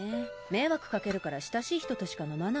迷惑掛けるから親しい人としか飲まないの。